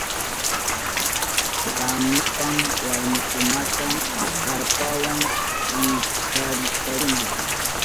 Tamyashpan warmikunaka karpawa wichkarishkakuna.